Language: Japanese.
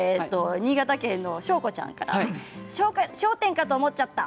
新潟県の方から「笑点」かと思っちゃった。